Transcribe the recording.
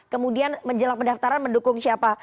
kemudian menjelang pendaftaran mendukung siapa